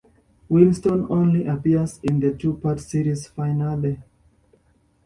Winston only appears in the two-part series finale.